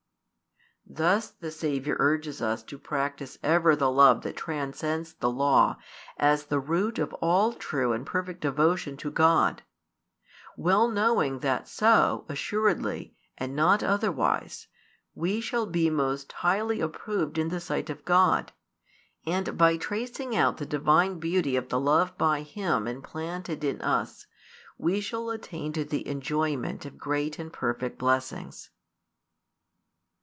Thus the Saviour urges us to practise ever the love that transcends the Law as the root of all true and perfect devotion to God; well knowing that so, assuredly, and not otherwise, we shall be most highly approved in the sight of God, and by tracing out the Divine beauty of the love by Him implanted in us we shall attain to the enjoyment of great and perfect blessings.